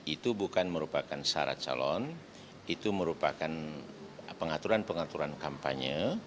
itu bukan merupakan syarat calon itu merupakan pengaturan pengaturan kampanye